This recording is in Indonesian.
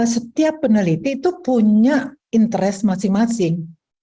setiap peneliti itu punya interest masing masing